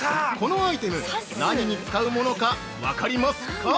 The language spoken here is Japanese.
このアイテム、何に使うものか分かりますか？